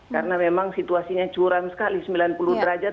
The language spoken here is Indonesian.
karena memang situasinya curam sekali sembilan puluh derajat